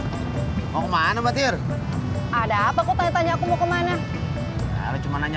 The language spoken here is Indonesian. memang mau kemana batir ada apa kok tanya tanya aku mau kemana cuma nanya